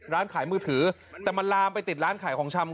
ร้านขายมือถือแต่มันลามไปติดร้านขายของชำ